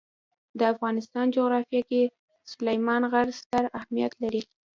د افغانستان جغرافیه کې سلیمان غر ستر اهمیت لري.